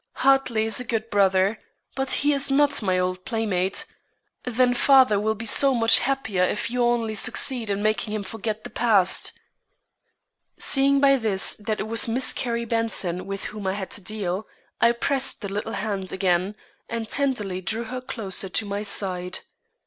Hartley is a good brother, but he is not my old playmate. Then father will be so much happier if you only succeed in making him forget the past." Seeing by this that it was Miss Carrie Benson with whom I had to deal, I pressed the little hand again, and tenderly drew her closer to my side.